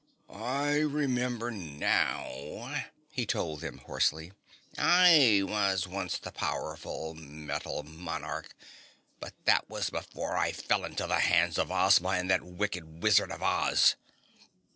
"I remember now," he told them hoarsely. "I once was the Powerful Metal Monarch, but that was before I fell into the hands of Ozma and that wicked Wizard of Oz."